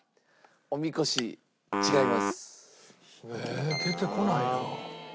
え出てこないな。